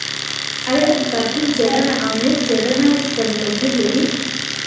ایا کتابتون څېړنه او میز څېړنه سره توپیر لري؟